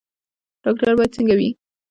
ډاکټر باید څنګه وي؟